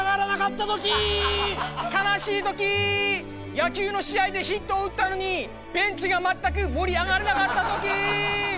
野球の試合でヒットを打ったのにベンチが全く盛り上がらなかったときー！